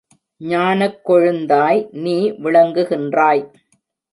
ஞானக் கொழுந்தாய் நீ விளங்குகின்றாய்.